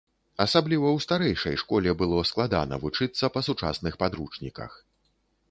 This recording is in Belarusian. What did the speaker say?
Асабліва ў старэйшай школе было складана вучыцца па сучасных падручніках.